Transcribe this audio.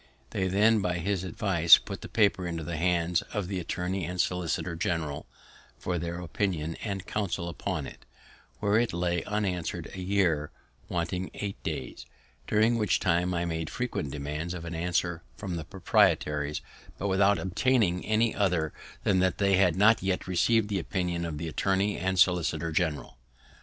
They then by his advice put the paper into the hands of the Attorney and Solicitor General for their opinion and counsel upon it, where it lay unanswered a year wanting eight days, during which time I made frequent demands of an answer from the proprietaries, but without obtaining any other than that they had not yet received the opinion of the Attorney and Solicitor General.